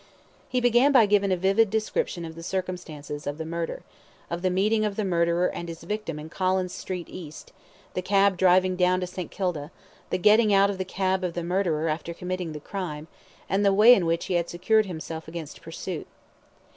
He began by giving a vivid description of the circumstances, of the murder of the meeting of the murderer and his victim in Collins Street East the cab driving down to St. Kilda the getting out of the cab of the murderer after committing the crime and the way in which he had secured himself against pursuit.